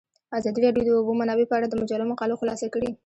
ازادي راډیو د د اوبو منابع په اړه د مجلو مقالو خلاصه کړې.